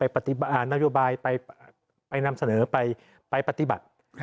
ไปนำเสนอไปไปปฏิบัติ